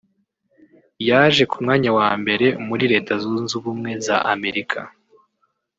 yaje ku mwanya wa mbere muri Leta zunze ubumwe za Amerika